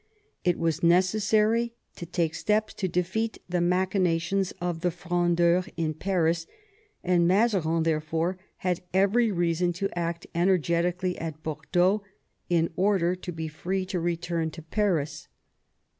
It was necessary to take steps to defeat the machinations of the Frondeurs in Paris, and Mazarin therefore had every reason to act energetically at Bordeaux, in order to be free to return to Paris.